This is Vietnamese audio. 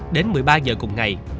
đến một mươi ba h cùng ngày